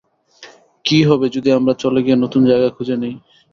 কী হবে যদি আমরা চলে গিয়ে নতুন জায়গা খুঁজে নেই?